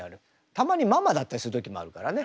たまにママだったりする時もあるからね。